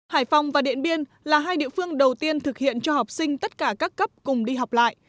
hải phòng và điện biên là hai địa phương đầu tiên thực hiện cho học sinh tất cả các cấp cùng đi học lại